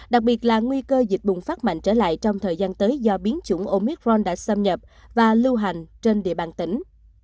đặc biệt là nguy cơ dịch bùng phát mạnh trở lại trong thời gian tới do biến chủng omicron đã xâm nhập và lưu hành trên địa bàn tỉnh